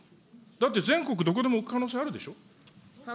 だって全国どこでも置く可能性あるでしょ。